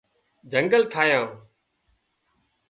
جنگل ٺاهيان